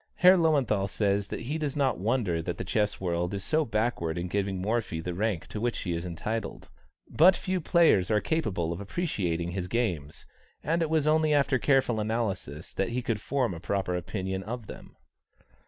Herr Löwenthal says that he does not wonder that the chess world is so backward in giving Morphy the rank to which he is entitled; "but few players are capable of appreciating his games, and it was only after careful analysis that he could form a proper opinion of them."